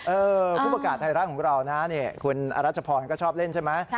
ผู้ประกาศไทยรัฐของเรานะคุณอรัชพรก็ชอบเล่นใช่ไหม